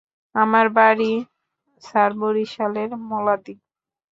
আমার বাড়ি স্যার বরিশালের মূলাদি।